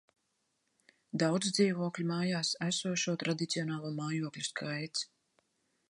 Daudzdzīvokļu mājās esošo tradicionālo mājokļu skaits